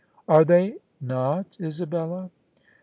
"Are they not, Isabella?